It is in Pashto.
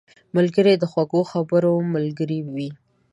ملګری د خوږو خبرو ملګری وي